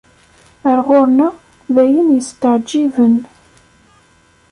Ar ɣur-neɣ, d ayen yesteɛǧiben.